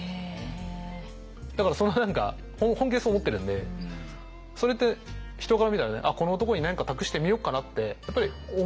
だからその何か本気でそう思ってるんでそれって人から見たらねこの男に何か託してみよっかなってやっぱり思う。